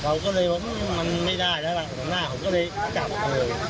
เราก็เลยว่ามันไม่ได้แล้วล่ะหัวหน้าผมก็เลยจับไปเลย